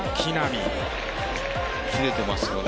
切れてますからね。